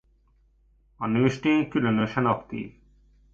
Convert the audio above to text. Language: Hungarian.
A nőstény különösen aktív.